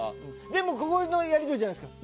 でも、ここのやり取りじゃないですか。